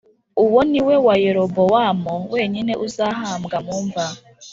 Uwo ni we wa Yerobowamu wenyine uzahambwa mu mva